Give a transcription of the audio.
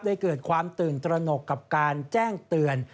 เกิดความตื่นตระหนกกับการแจ้งเตือน